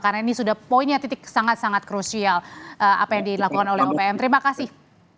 karena ini sudah poinnya titik sangat sangat krusial apa yang dilakukan oleh opm terima kasih